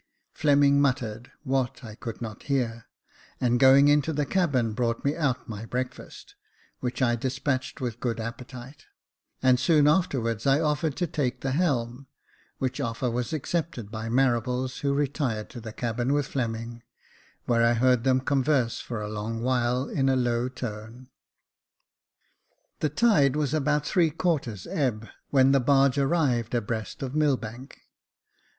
Fleming muttered what I could not hear, and, going into the cabin, brought me out my breakfast, which I de spatched with good appetite ; and soon afterwards I offered to take the helm j which offer was accepted by Marables, who retired to the cabin with Fleming, where I heard them converse for a long while in a low tone. The tide was about three quarters ebb, when the barge arrived abreast of Millbank.